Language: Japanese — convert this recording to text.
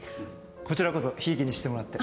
こちらこそ贔屓にしてもらって。